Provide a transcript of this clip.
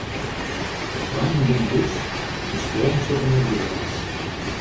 De treinen binne lyts, de stuollen sitte net geweldich.